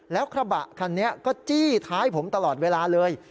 แล้วกระบะคันนี้ก็จี้ท้ายผมตลอดเวลาเลย